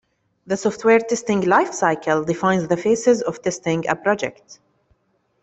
The software testing life cycle defines the phases of testing a project.